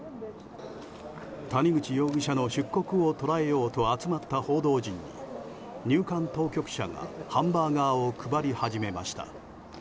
谷口容疑者の出国を捉えようと集まった報道陣は入管当局者がハンバーガーを配り始めました。